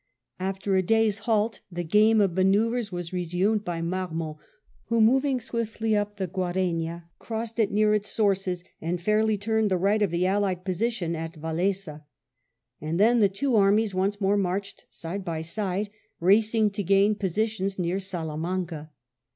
After a day's halt^ the game of manoeuvres was resumed by Marmont, who, moving swiftly up the Guarena, crossed it near its sources and fairly turned the right of the Allied position at Vallesa; and then the two armies once more marched side by side, racing to gain positions near Salamanca.